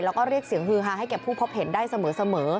แล้วก็เรียกเสียงฮือฮาให้แก่ผู้พบเห็นได้เสมอ